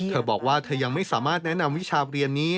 เธอบอกว่าเธอยังไม่สามารถแนะนำวิชาเรียนนี้